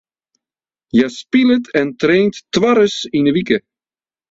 Hja spilet en traint twaris yn de wike.